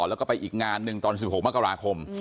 แล้วก็ไปอีกงานหนึ่งตอน๑๖มกราคม